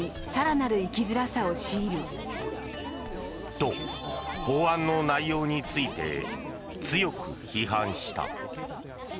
と、法案の内容について強く批判した。